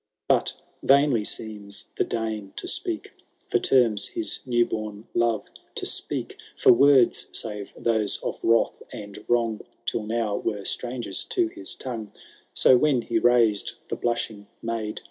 XIX. But vainly seems the Dane to seek For terms his new bom love to speak, — For words, save those of wiath and wrong, Tin now were strangers to his tongue ; So, when he raised the blushing maid.